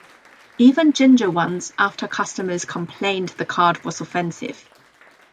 Even ginger ones after customers complained the card was offensive.